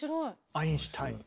アインシュタイン。